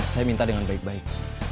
saya minta dengan baik baik